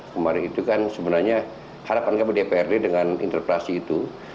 kemarin itu kan sebenarnya harapan kami dprd dengan interpelasi itu